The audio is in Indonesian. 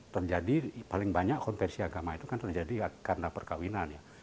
terjadi paling banyak konversi agama itu kan terjadi karena perkawinan ya